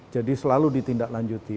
jadi selalu ditindaklanjuti